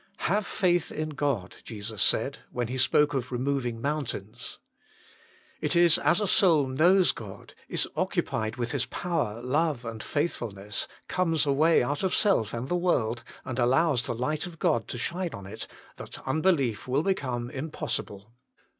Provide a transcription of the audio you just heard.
" Have faith in God," Jesus said when He spoke of removing mountains. It is as a soul knows God, is occupied with His power, love, and faithfulness, comes away out of self and the world, and allows the light of God to shine on it, that unbelief will become impossible.